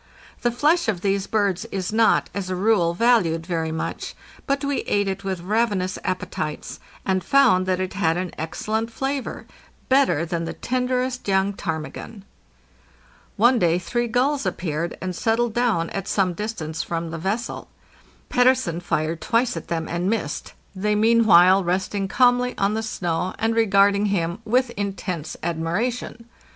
The flesh of these birds is not, as a rule, valued very much, but we ate it with ravenous appetites, and found that it had an excellent flavor—better than the tenderest young ptarmigan. One day three gulls appeared, and settled down at some dis tance from the vessel. Pettersen fired twice at them and missed, CHANNEL AS at RAM." | L ASTERN OF THE "FRAM." JUNE, 1895 tad 7 NI JUNE 22 TO AUGUST 15, 1895 63 they meanwhile resting calmly on the snow, and regarding him with intense admiration.